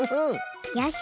よし！